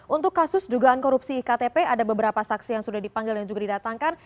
untuk kasus dugaan korupsi iktp ada beberapa saksi yang sudah dipanggil dan juga didatangkan